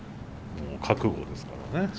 もう覚悟ですからね。